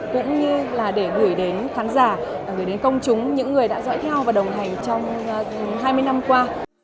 cũng như là để gửi đến khán giả gửi đến công chúng những người đã dõi theo và đồng hành trong hai mươi năm qua